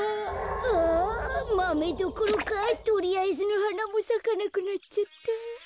あマメどころかとりあえずのはなもさかなくなっちゃった。